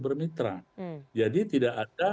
bermitra jadi tidak ada